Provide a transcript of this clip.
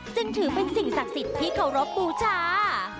จึงถือเป็นสิ่งศักดิ์สิทธิ์ที่เคารพบูชา